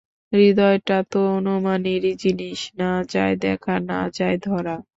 হৃদয়টা তো অনুমানেরই জিনিস– না যায় দেখা, না যায় ধরা।